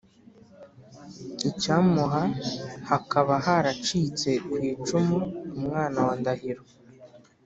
icyamuha hakaba haracitse ku icumu umwana wa ndahiro